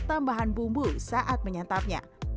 tambahan bumbu saat menyantapnya